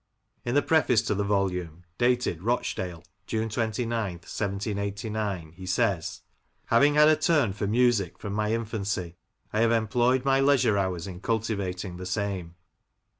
In the preface to the volume, dated Rochdale, June 29th, 1789, he says :—Having had a turn for music from my infancy, I have employed my leisure hours in cultivating the same.